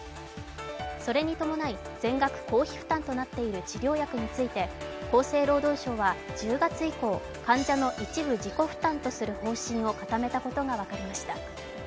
それに伴い、全額公費負担となっている治療薬について、厚生労働省は１０月以降、患者の一部自己負担とする方針を固めたことが分かりました。